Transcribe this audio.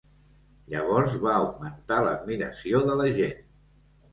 Llavors va augmentar l'admiració de la gent.